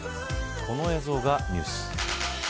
この映像がニュース。